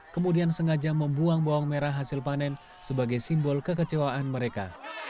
kemudian sengaja membuang bawang merah hasil panen sebagai simbol kekecewaan mereka